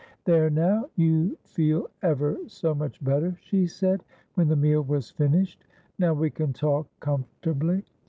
"There now, you feel ever so much better," she said, when the meal was finished. "Now we can talk comfortably.